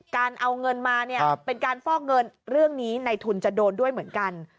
การเอาเงินมาเนี่ยเป็นการฟอกเงินเรื่องนี้ในทุนจะโดนด้วยเหมือนกัน